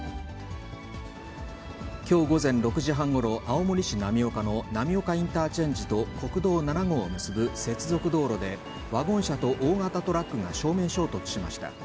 きょう午前６時半ごろ、青森市浪岡の浪岡インターチェンジと国道７号を結ぶ接続道路で、ワゴン車と大型トラックが正面衝突しました。